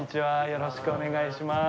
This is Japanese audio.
よろしくお願いします。